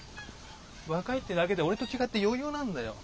若いってだけで俺と違って余裕なんだよ。